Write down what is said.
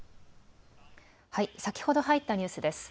はい、先ほど入ったニュースです。